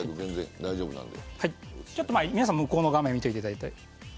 皆さん向こうの画面を見ていただいて。